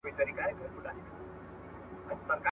سوسیالیزم هم د حل لاره نه ده.